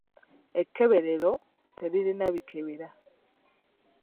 Ekkeberero teririna bikebera.